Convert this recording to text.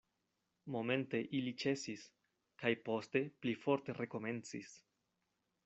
Momente ili ĉesis, kaj poste pli forte rekomencis.